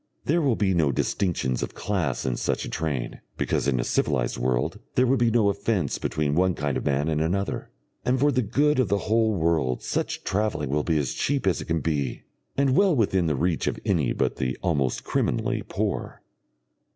There will be no distinctions of class in such a train, because in a civilised world there would be no offence between one kind of man and another, and for the good of the whole world such travelling will be as cheap as it can be, and well within the reach of any but the almost criminally poor.